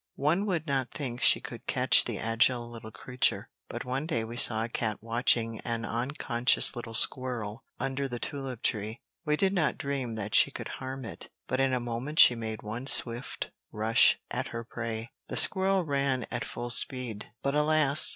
One would not think she could catch the agile little creature; but one day we saw a cat watching an unconscious little squirrel under the tulip tree: we did not dream that she could harm it, but in a moment she made one swift rush at her prey. The squirrel ran at full speed, but alas!